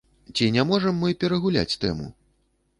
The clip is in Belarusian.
Ці не можам мы перагуляць тэму?